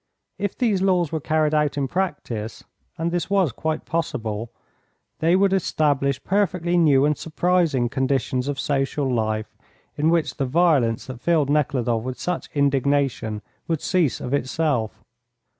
If these laws were carried out in practice (and this was quite possible) they would establish perfectly new and surprising conditions of social life, in which the violence that filled Nekhludoff with such indignation would cease of itself.